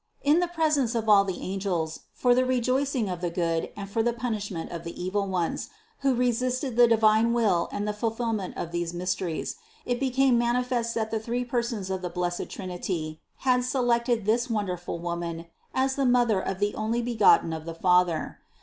In the presence of all the angels, for the rejoicing of the good and for the punishment of the evil ones, who resisted the divine will and the fulfillment of these mysteries, it became mani fest that the three Persons of the blessed Trinity had selected this wonderful Woman as the Mother of the Onlybegotten of the Father.